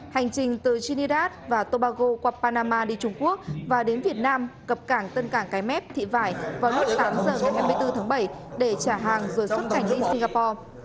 hành trình từ chinidas và tobago qua panama đi trung quốc và đến việt nam cập cảng tân cảng cái mép thị vải vào lúc tám giờ ngày hai mươi bốn tháng bảy để trả hàng rồi xuất cảnh đi singapore